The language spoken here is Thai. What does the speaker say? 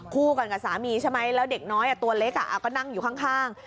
คู่กันกับสามีใช่ไหมแล้วเด็กน้อยตัวเล็กก็นั่งอยู่ข้าง